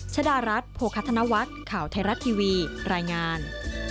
ชดารัฐโภคธนวัฒน์ข่าวไทยรัฐทีวีรายงาน